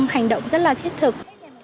hành động rất là thiết thực